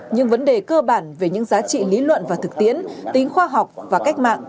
những vấn đề cơ bản về những giá trị lý luận và thực tiễn tính khoa học và cách mạng